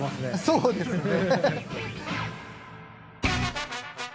そうですね。